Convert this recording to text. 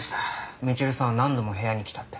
みちるさんは何度も部屋に来たって。